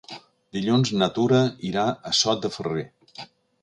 Dilluns na Tura irà a Sot de Ferrer.